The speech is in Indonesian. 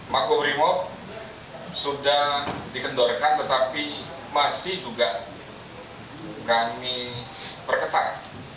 mako brimob sudah dikendorkan tetapi masih juga kami berketan